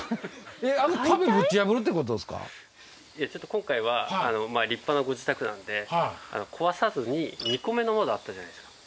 今回は立派なご自宅なんで壊さずに２個目の窓あったじゃないですか。